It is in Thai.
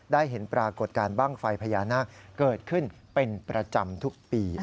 เห็นปรากฏการณ์บ้างไฟพญานาคเกิดขึ้นเป็นประจำทุกปี